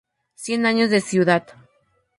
Cien años de ciudad.